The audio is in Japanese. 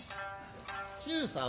忠さん